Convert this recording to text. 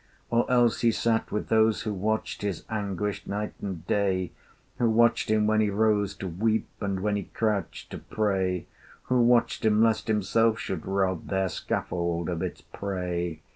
Or else he sat with those who watched His anguish night and day; Who watched him when he rose to weep, And when he crouched to pray; Who watched him lest himself should rob Their scaffold of its prey.